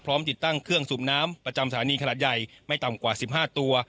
ติดตั้งเครื่องสูบน้ำประจำสถานีขนาดใหญ่ไม่ต่ำกว่า๑๕ตัว